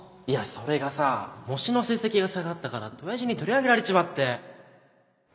いやそれがさ模試の成績が下がったからって親父に取り上げられちまって